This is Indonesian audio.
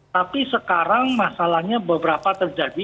tapi sekarang masalahnya beberapa terjadi